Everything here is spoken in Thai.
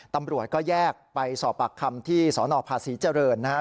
ตำรวจก็แยกไปสอบปากคำที่สนภาษีเจริญนะครับ